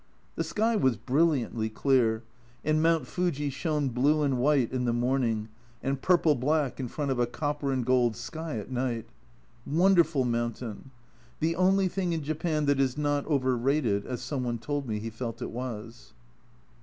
The sky was brilliantly clear, and Mount Fuji shone blue and white in the morning, and purple black in front of a copper and gold sky at night. Wonderful mountain! " The only thing in Japan that is not overrated," as some one told me he felt it was.